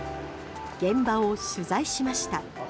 現場を取材しました。